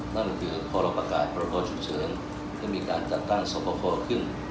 นั่นก็คือพประกาศพชุเชิญที่มีการจัดตั้งสภพครขึ้น